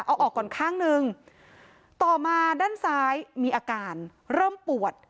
เอาออกก่อนข้างหนึ่งต่อมาด้านซ้ายมีอาการเริ่มปวด